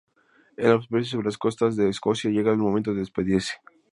En la superficie, sobre las costas de Escocia, llega el momento de despedirse.